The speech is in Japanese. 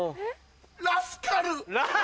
ラスカル！